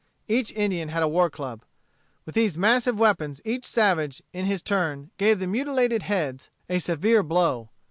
Each Indian had a war club. With these massive weapons each savage, in his turn, gave the mutilated heads a severe blow.